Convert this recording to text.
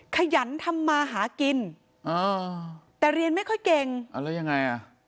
ขยันทำมาหากินอ่าแต่เรียนไม่ค่อยเก่งอ่าแล้วยังไงอ่ะ